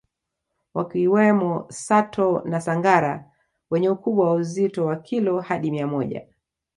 wakiwemo Sato na Sangara wenye ukubwa wa uzito wa kilo hadi mia moja